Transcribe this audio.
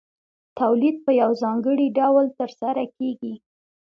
تولید په یو ځانګړي ډول ترسره کېږي